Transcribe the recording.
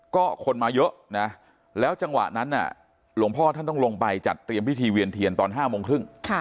ก็คนมาเยอะนะแล้วจังหวะนั้นหลวงพ่อท่านต้องลงไปจัดเตรียมพิธีเวียนเทียนตอน๕โมงครึ่ง